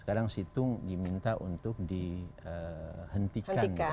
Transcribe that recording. sekarang situng diminta untuk berbukti yang jelas gitu misalnya saja kita bicara sekarang tentang situng ya